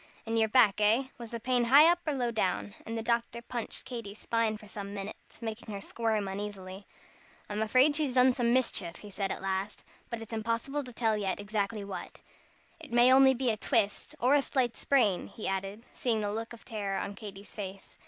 "In your back, eh? Was the pain high up or low down?" And the doctor punched Katy's spine for some minutes, making her squirm uneasily. "I'm afraid she's done some mischief," he said at last, "but it's impossible to tell yet exactly what. It may be only a twist, or a slight sprain," he added, seeing the look of terror on Katy's face.